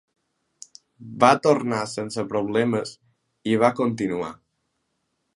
Va tornar sense problemes i va continuar.